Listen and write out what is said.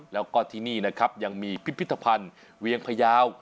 แล้วก็ที่นี่นะครับยังมีพิพิธภัณฑ์เวียงพยาว